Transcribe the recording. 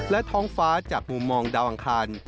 และท้องฟ้าจากมุมมองดาวอังคาร